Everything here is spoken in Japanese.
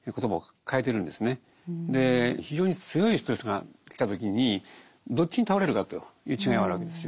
非常に強いストレスがきた時にどっちに倒れるかという違いはあるわけですよ。